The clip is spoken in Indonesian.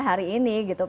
hari ini gitu